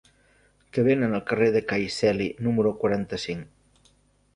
Què venen al carrer de Cai Celi número quaranta-cinc?